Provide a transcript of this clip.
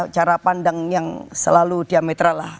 cara pandang yang selalu diametra lah